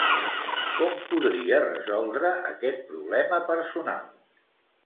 Com podria resoldre aquest problema personal?